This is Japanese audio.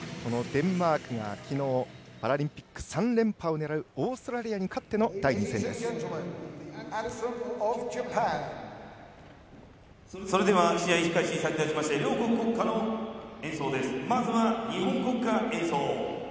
デンマークがきのうパラリンピック３連覇を狙うオーストラリアに勝っての両国国歌の演奏です。